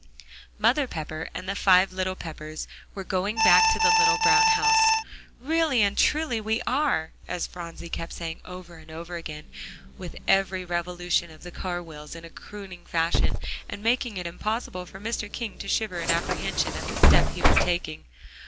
Mother Pepper and the five little Peppers were going back to the little brown house. "Really and truly we are," as Phronsie kept saying over and over again with every revolution of the car wheels, in a crooning fashion, and making it impossible for Mr. King to shiver in apprehension at the step he was taking.